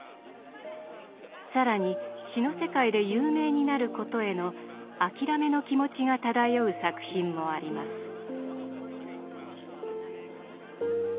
更に詩の世界で有名になることへの諦めの気持ちが漂う作品もあります。